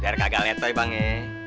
biar kagak letoy bang ya